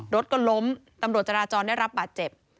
รถก็ล้มตำรวจจราจรได้รับบาดเจ็บ